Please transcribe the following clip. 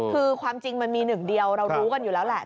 คือความจริงมันมีหนึ่งเดียวเรารู้กันอยู่แล้วแหละ